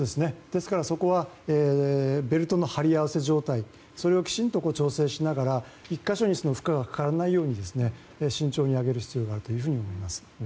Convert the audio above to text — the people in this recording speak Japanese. ですから、そこはベルトの張り合わせ状態それをきちんと調整しながら１か所に負荷がかからないように慎重に揚げる必要があるというふうに思います。